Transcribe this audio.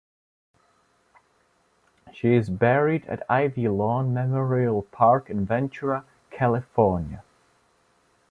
She is buried at Ivy Lawn Memorial Park in Ventura, California.